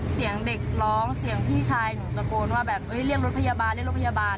เสียงเด็กร้องเสียงพี่ชายหนูตะโกนว่าแบบเรียกรถพยาบาลเรียกรถพยาบาล